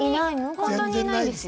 ほんとにいないんですよ。